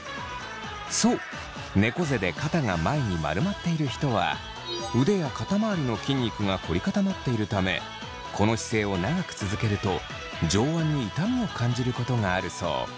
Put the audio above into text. そうねこ背で肩が前に丸まっている人は腕や肩まわりの筋肉が凝り固まっているためこの姿勢を長く続けると上腕に痛みを感じることがあるそう。